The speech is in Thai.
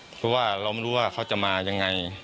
เพราะว่าเราไม่รู้ว่าเขาจะมายังไง